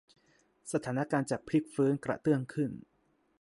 สถานการณ์จะพลิกฟื้นกระเตื้องขึ้น